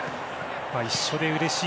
一緒でうれしい。